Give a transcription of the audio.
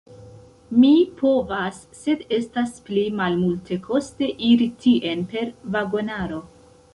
Mi povas, sed estas pli malmultekoste iri tien per vagonaro.